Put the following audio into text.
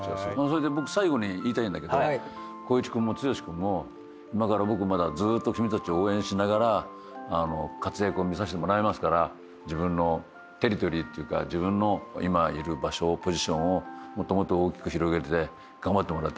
それで最後に言いたいんだけど光一君も剛君も今から僕まだずーっと君たちを応援しながら活躍を見させてもらいますから自分のテリトリーっていうか自分の今いる場所ポジションをもっともっと大きく広げて頑張ってもらいたいと思います。